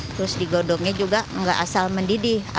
terus digodongnya juga nggak asal mendidih